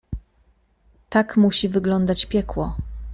"Tak musi wyglądać piekło."